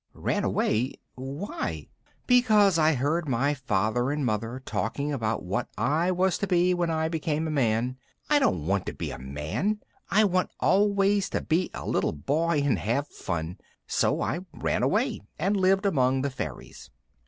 "Ran away why?" "Because I heard my father and mother talking about what I was to be when I became a man. I don't want to be a man. I want always to be a little boy and have fun. So I ran away and lived among the fairies."